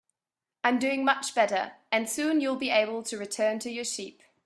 I'm doing much better, and soon you'll be able to return to your sheep.